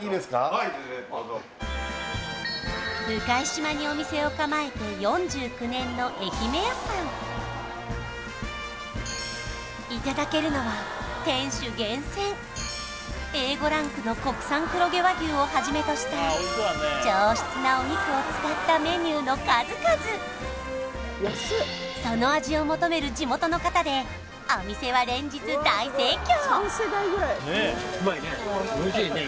はい全然向島にお店を構えて４９年のえひめ屋さんいただけるのは店主厳選Ａ５ランクの国産黒毛和牛をはじめとした上質なお肉を使ったメニューの数々その味を求める地元の方でお店は連日大盛況